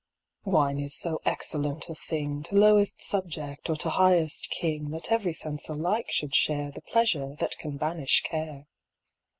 Wine is so excellent a thing To lowest subject, or to highest king, That every sense alike should share The pleasure that can banish care.